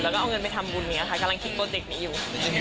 แล้วก็เอาเงินไปทำบุญอย่างนี้ค่ะกำลังคิดโปรเจกต์นี้อยู่